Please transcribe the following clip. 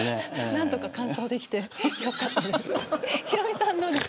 何とか完走できてよかったです。